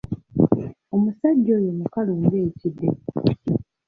Omusajja oyo mukalu ng'kide.